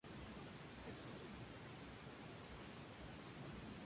De este nombre derivan los apellidos patronímicos Fernández y Hernández.